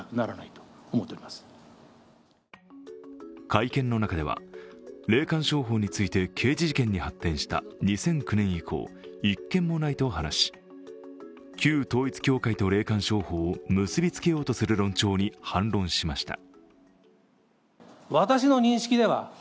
会見の中では霊感商法について刑事事件に発展した２００９年以降、１件もないと話し、旧統一教会と霊感商法を結び付けようとする論調に反論しました。